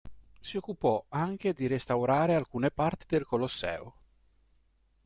Si occupò anche di restaurare alcune parti del Colosseo.